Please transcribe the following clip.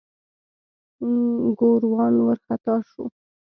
ګوروان وارخطا شو.